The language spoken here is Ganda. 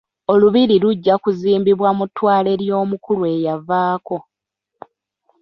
Olubiri lujja kuzimbibwa mu ttwale ly'omukulu eyavaako.